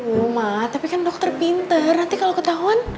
loh mah tapi kan dokter pinter nanti kalo ketahuan